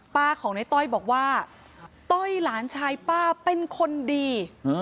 ป้าของในต้อยบอกว่าต้อยหลานชายป้าเป็นคนดี